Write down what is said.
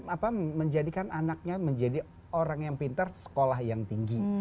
apa menjadikan anaknya menjadi orang yang pintar sekolah yang tinggi